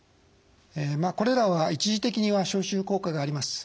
これらは一時的には消臭効果があります。